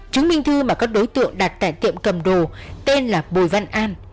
chứng minh thư mà các đối tượng đặt tại tiệm cầm đồ tên là bùi văn an